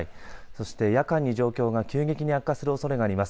そして、夜間に状況が急激に悪化するおそれがあります。